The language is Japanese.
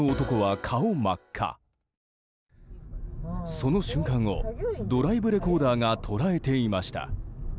その瞬間をドライブレコーダーが捉えていました。